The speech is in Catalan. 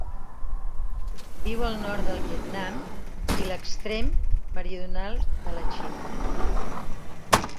Viu al nord del Vietnam i l'extrem meridional de la Xina.